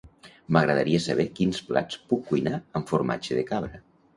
M'agradaria saber quins plats puc cuinar amb formatge de cabra.